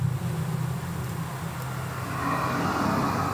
白梭梭为苋科梭梭属的植物。